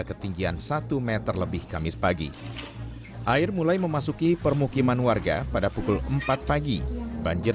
ketinggian satu meter lebih kamis pagi air mulai memasuki permukiman warga pada pukul empat pagi banjir